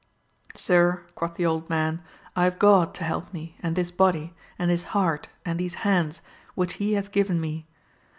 Sir, quoth the old man, I have God to help me, and this body, and this heart, and these hands, which he hath given me.